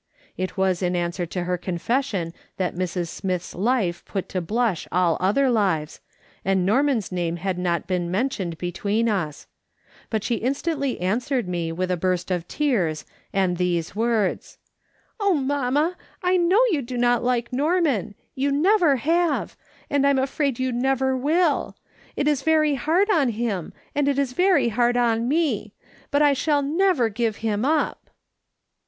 It was in answer to her confession that Mrs. Smith's life put to blush other lives, and Norman's name had not "THEM SMITHS AIN'T THE COMMON KIND." 289 been mentioned between us ; but she instantly an swered me with a burst of tears, and these words :" Oh, mamma, I know you do not like Norman, you never have ; and I'm afraid you never will. It is very hard on him, and it is very hard on me ; but I shall never give him up."